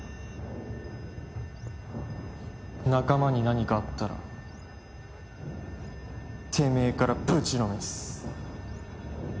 仲間に何かあったらてめえからぶちのめす。